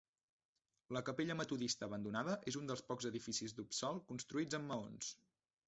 La capella metodista abandonada és un dels pocs edificis d'Upsall construïts amb maons.